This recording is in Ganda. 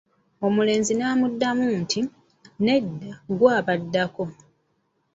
Omulenzi n'amuddamu nti, nedda gwe abaddako!